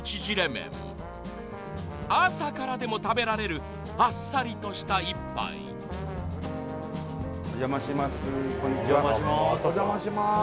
麺朝からでも食べられるあっさりとした一杯お邪魔します